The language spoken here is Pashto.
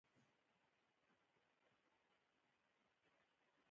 د خسرګنۍ احترام کول پکار دي.